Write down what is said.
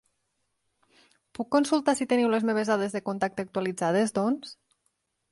Puc consultar si teniu les meves dades de contacte actualitzades, doncs?